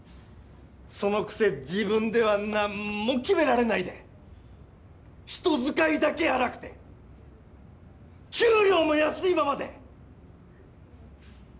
そのくせ自分では何も決められないで人使いだけ荒くて給料も安いままで。